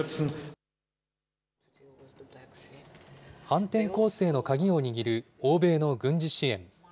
反転攻勢の鍵を握る欧米の軍事支援。